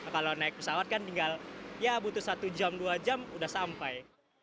kalau naik pesawat kan tinggal ya butuh satu jam dua jam udah sampai